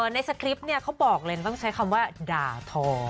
ในสคริปต์เนี่ยเขาบอกเลยต้องใช้คำว่าด่าทอ